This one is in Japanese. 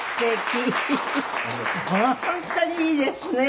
本当にいいですね！